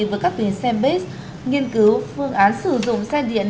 với các tuyến xe buýt nghiên cứu phương án sử dụng xe điện